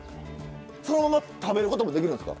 そのまま食べることもできるんですか？